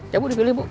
ya bu dipilih bu